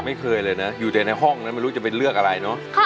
ไม่เคยเลยนะอยู่แต่ในห้องนั้นไม่รู้จะไปเลือกอะไรเนอะ